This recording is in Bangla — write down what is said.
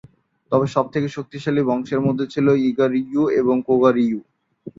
তবে সবথেকে শক্তিশালী বংশের মধ্যে ছিল "ইগা-রিয়্যু" এবং "কোগা-রিয়্যু"।